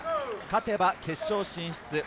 勝てば決勝進出。